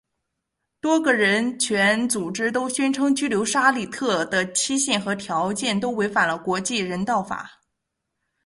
多个人权组织都宣称拘留沙利特的期限和条件都违背了国际人道法。